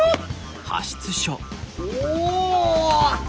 お！